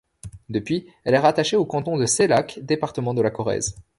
Depuis, elle est rattachée au canton de Seilhac, département de la Corrèze.